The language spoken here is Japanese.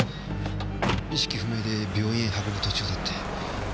意識不明で病院へ運ぶ途中だって。